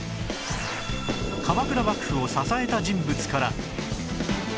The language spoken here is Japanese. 鎌倉幕府を支えた人物から